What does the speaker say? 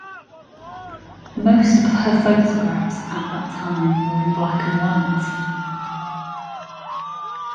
Most of her photographs at that time were in black and white.